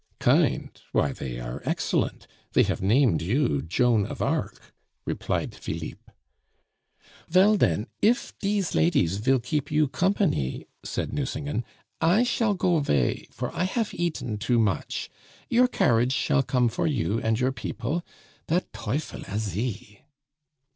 "Kind! Why, they are excellent; they have named you Joan of Arc," replied Philippe. "Vell den, if dese ladies vill keep you company," said Nucingen, "I shall go 'vay, for I hafe eaten too much. Your carriage shall come for you and your people. Dat teufel Asie!"